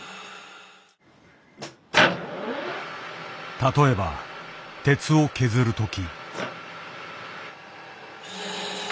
例えば鉄を削るとき。